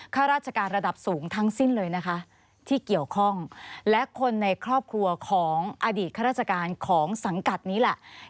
ข้าราชการระดับสูงทั้งสิ้นเลยนะคะที่เกี่ยวข้องและคนในครอบครัวของอดีตข้าราชการของสังกัดนี้แหละ